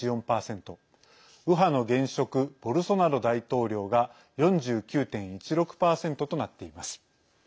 右派の現職ボルソナロ大統領が４９．１６％となっています。